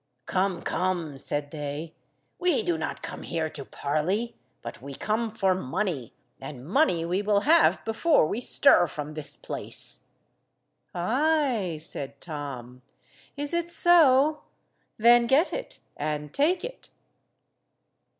"Come, come," said they, "we do not come here to parley, but we come for money, and money we will have before we stir from this place." "Ay!" said Tom. "Is it so? Then get it and take it."